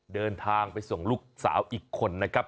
เดินทางไปส่งลูกสาวอีกคนนะครับ